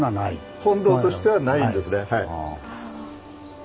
本堂としてはないんですね。